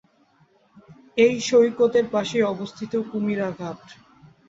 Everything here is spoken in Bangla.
এই সৈকতের পাশেই অবস্থিত কুমিরা ঘাট।